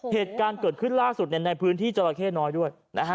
เหตุการณ์เกิดขึ้นล่าสุดในพื้นที่จราเข้น้อยด้วยนะฮะ